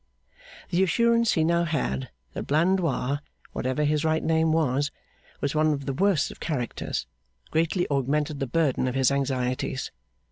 The assurance he now had, that Blandois, whatever his right name, was one of the worst of characters, greatly augmented the burden of his anxieties.